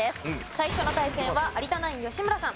最初の対戦は有田ナイン吉村さん